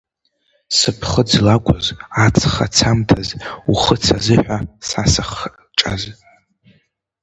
Сыԥхыӡ лакәыз, аҵх ацамҭаз, ухыц азыҳәа са сыхҿаз.